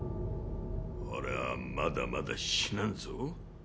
俺はまだまだ死なんぞ。